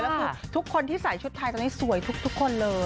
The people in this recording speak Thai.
แล้วคือทุกคนที่ใส่ชุดไทยตอนนี้สวยทุกคนเลย